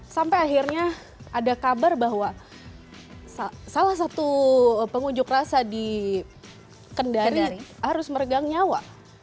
sampai akhirnya ada kabar bahwa salah satu pengunjuk rasa di kendari harus meregang nyawa